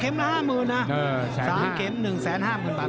เข็มละห้าหมื่นสามเข็มหนึ่งแสนห้าหมื่นบาท